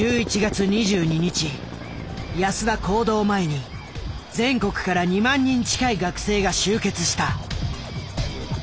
安田講堂前に全国から２万人近い学生が集結した。